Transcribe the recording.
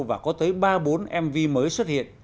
và có tới ba bốn mv mới xuất hiện